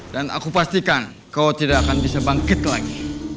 aku pastikan kau tidak akan bisa bangkit lagi